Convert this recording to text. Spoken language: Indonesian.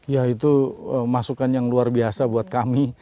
ya itu masukan yang luar biasa buat kami